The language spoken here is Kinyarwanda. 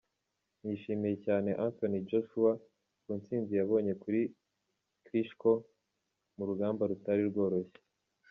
Nshimiye cyane Anthony Joshua ku ntsinzi yabonye kuri Klitschko mu rugamba rutari rworoshye.